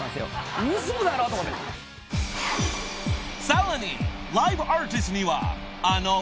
［さらにライブアーティストには］